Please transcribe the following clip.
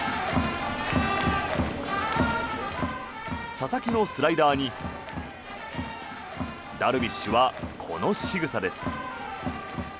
佐々木のスライダーにダルビッシュはこのしぐさです。